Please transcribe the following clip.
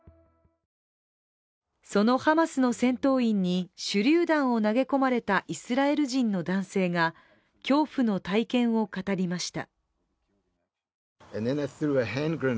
そのハマスの戦闘員に手りゅう弾を投げ込まれたイスラエル人の男性が恐怖の体験を語りました。